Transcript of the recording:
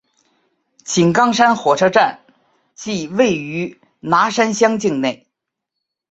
井冈山火车站即位于拿山乡境内。